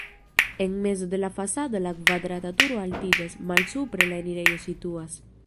En mezo de la fasado la kvadrata turo altiĝas, malsupre la enirejo situas.